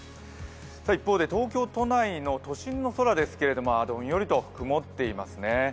一方で東京都内の都心の空ですけれどもどんよりと曇っていますね。